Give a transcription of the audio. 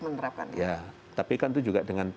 menerapkan ya tapi kan itu juga dengan